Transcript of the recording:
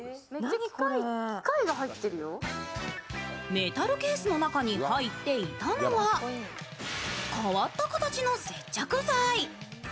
メタルケースの中に入っていたのは変わった形の接着剤。